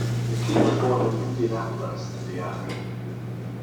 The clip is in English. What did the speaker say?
McKean was born in Indianapolis, Indiana.